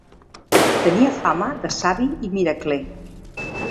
Tenia fama de savi i miracler.